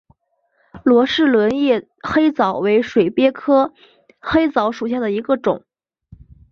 罗氏轮叶黑藻为水鳖科黑藻属下的一个种。